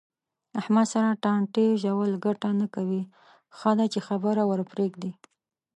احمد سره ټانټې ژول گټه نه کوي. ښه ده چې خبره ورپرېږدې.